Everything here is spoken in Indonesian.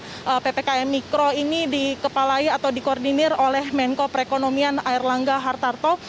karena ppkm mikro ini dikepalai atau dikoordinir oleh menko perekonomian air langga hartarto